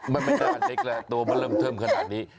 มันไม่แน่เหมือนเล็กแล้วตัวมันเริ่มเทิมขนาดนี้